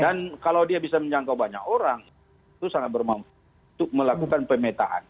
dan kalau dia bisa menjangkau banyak orang itu sangat bermanfaat untuk melakukan pemetaan